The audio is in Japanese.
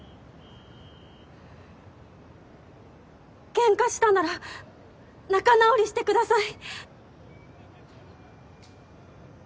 ケンカしたなら仲直りしてください！